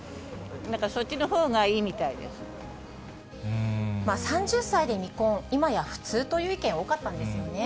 なんかそっちのほうがいいみたい３０歳で未婚、今や普通という意見、多かったですよね。